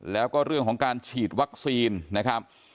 แล้วก็เรื่องของการฉีดวัคซีนนะครับ